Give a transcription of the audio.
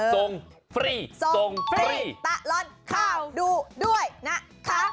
ส่งฟรีส่งฟรีตะร้อนข้าวดูด้วยนะครับ